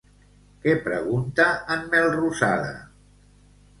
Què pregunta en Melrosada?